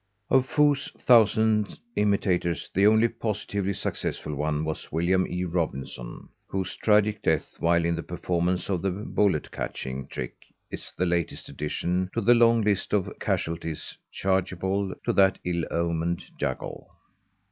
Of Foo's thousand imitators the only positively successful one was William E. Robinson, whose tragic death while in the performance of the bullet catching trick is the latest addition to the long list of casualties chargeable to that ill omened juggle.